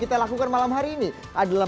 kita lakukan malam hari ini adalah